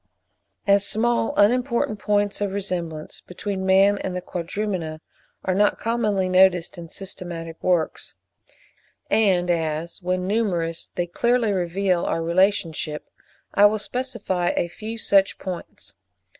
As small unimportant points of resemblance between man and the Quadrumana are not commonly noticed in systematic works, and as, when numerous, they clearly reveal our relationship, I will specify a few such points.